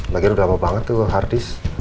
lagian udah lama banget tuh harddisk